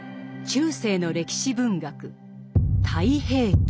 中世の歴史文学「太平記」。